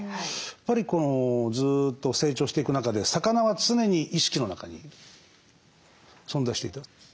やっぱりずっと成長していく中で魚は常に意識の中に存在していた。